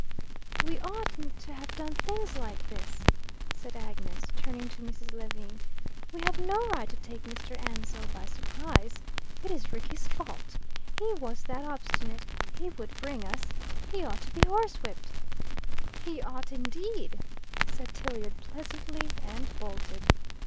"We oughtn't to have done things like this," said Agnes, turning to Mrs. Lewin. "We have no right to take Mr. Ansell by surprise. It is Rickie's fault. He was that obstinate. He would bring us. He ought to be horsewhipped." "He ought, indeed," said Tilliard pleasantly, and bolted.